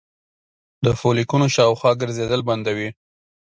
د فولیکونو شاوخوا ګرځیدل بندوي